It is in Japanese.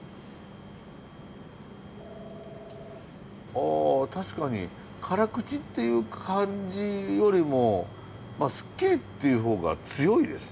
あ確かに辛口っていう感じよりもすっきりっていう方が強いですね。